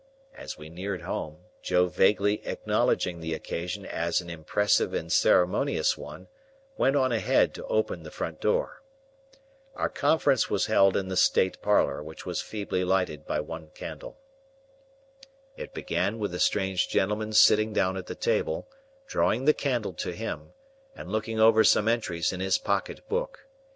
As we neared home, Joe vaguely acknowledging the occasion as an impressive and ceremonious one, went on ahead to open the front door. Our conference was held in the state parlour, which was feebly lighted by one candle. It began with the strange gentleman's sitting down at the table, drawing the candle to him, and looking over some entries in his pocket book.